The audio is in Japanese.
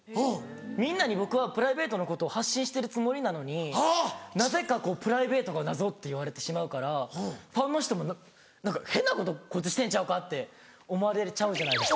みんなに僕はプライベートのことを発信してるつもりなのになぜかプライベートが謎って言われてしまうからファンの人も「何か変なことこいつしてんちゃうか？」って思われちゃうじゃないですか。